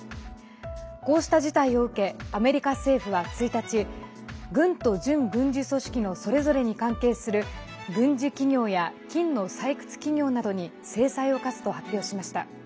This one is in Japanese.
こうした事態を受けアメリカ政府は１日軍と準軍事組織のそれぞれに関係する軍事企業や金の採掘企業などに制裁を科すと発表しました。